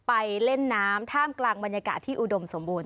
ไปเล่นน้ำท่ามกลางบรรยากาศที่อุดมสมบูรณ